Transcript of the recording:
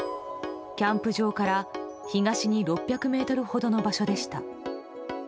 キャンプ場から東に６００ｍほどの場所でした。